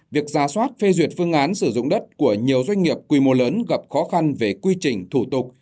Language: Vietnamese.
việc ra soát phê duyệt phương án sử dụng đất của nhiều doanh nghiệp quy mô lớn gặp khó khăn về quy trình thủ tục